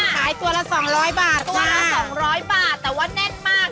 ขายตัวละ๒๐๐บาทตัวละ๒๐๐บาทแต่ว่าแน่นมาก